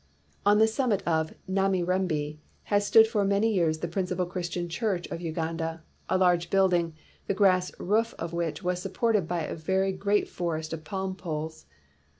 "On the summit of Kamirembe has stood for many years the principal Christian church of Uganda, a large building, the grass roof of which was supported by a very forest of palm poles.